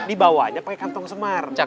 di bawahnya pakai kantong semar